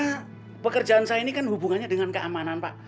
karena pekerjaan saya ini kan hubungannya dengan keamanan pak